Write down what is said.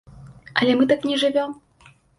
Але мы так не жывём.